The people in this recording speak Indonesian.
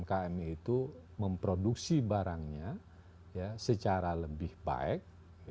bagaimana umkm itu memproduksi barangnya ya secara lebih baik